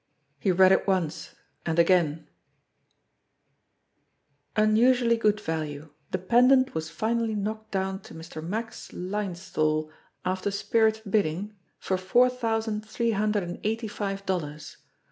He read it once and again : unusually good value. The pendant was finally knocked down to Mr. Max Linesthal after spirited bidding for four thousand, three hundred and eighty five dollars.